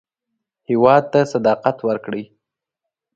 هېواد ته صداقت ورکړئ